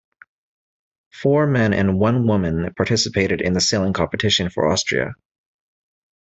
Four men and one woman participated in the sailing competition for Austria.